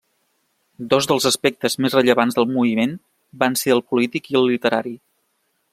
Dos dels aspectes més rellevants del moviment van ser el polític i el literari.